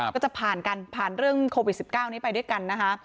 ก็จะผ่านกันผ่านเรื่องโควิด๑๙นี้ไปด้วยกันนะคะ